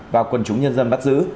và quần chúng nhân dân bắt giữ